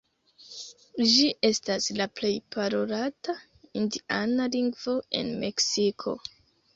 Ĝi estas la plej parolata indiana lingvo en Meksiko.